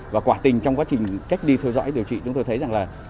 và quả tình trong quá trình cách ly theo dõi điều trị chúng tôi thấy rằng là